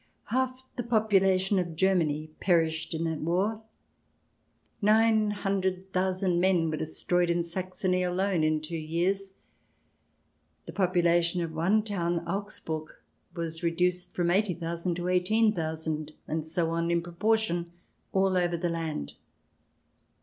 Half the population of Germany perished in that war. Nine hundred thousand men were destroyed in Saxony alone in two years. The population of one town, Augsburg, was reduced from eighty thousand to eighteen thousand, and so on, in pro portion all over the land.